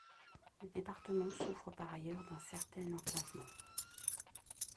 Le département souffre par ailleurs d'un certain enclavement.